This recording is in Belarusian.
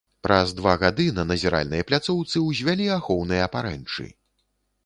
Праз два гады на назіральнай пляцоўцы ўзвялі ахоўныя парэнчы.